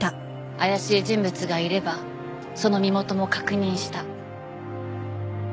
怪しい人物がいればその身元も確認した。